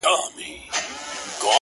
o دا ټپه ورته ډالۍ كړو دواړه،